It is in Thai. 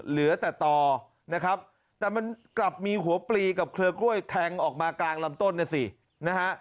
เหลือแต่ต่อนะครับแต่มันกลับมีหัวปลีกับเครือกล้วยแทงออกมากลางลำต้นนะสินะฮะ